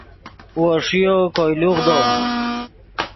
وو ݰیو کوئے لوغدو